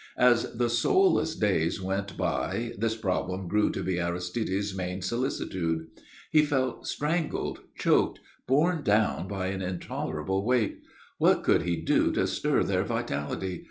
As the soulless days went by this problem grew to be Aristide's main solicitude. He felt strangled, choked, borne down by an intolerable weight. What could he do to stir their vitality?